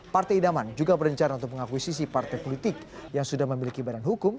partai idaman juga berencana untuk mengakuisisi partai politik yang sudah memiliki badan hukum